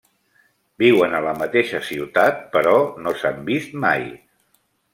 Viuen a la mateixa ciutat però no s’han vist mai.